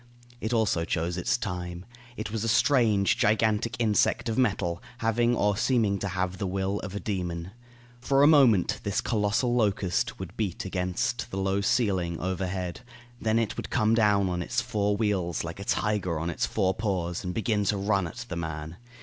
It also chose its time. It was a strange, gigantic insect of metal, having or seeming to have the will of a demon. For a moment this colossal locust would beat against the low ceiling overhead, then it would come down on its four wheels like a tiger on its four paws, and begin to run at the man.